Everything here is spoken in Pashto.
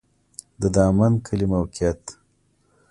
د دامن کلی موقعیت